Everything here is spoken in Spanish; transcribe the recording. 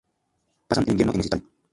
Pasan el invierno en ese estadio.